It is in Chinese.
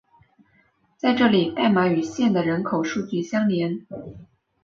在这里代码与县的人口数据相连。